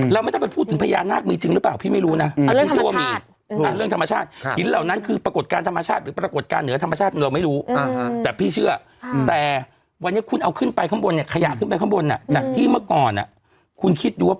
แล้วไม่ต้องพูดถึงพยาน